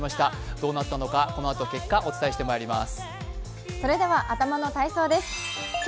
どうなったのか、このあと結果をお伝えしてまいります。